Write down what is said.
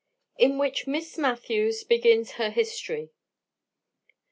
_In which Miss Matthews begins her history.